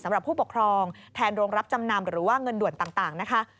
สำหรับผู้ปกครองแทนโรงรับจำนำหรือว่าเงินด่วนต่างนะคะ